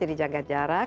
jadi jaga jarak